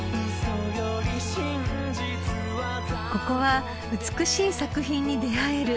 ［ここは美しい作品に出合える］